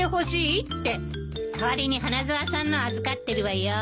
代わりに花沢さんのを預かってるわよ。